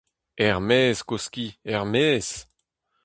Er-maez, kozh ki !… er-maez !…